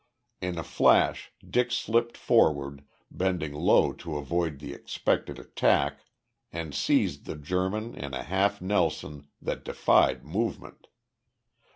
In a flash Dick slipped forward, bending low to avoid the expected attack, and seized the German in a half nelson that defied movement.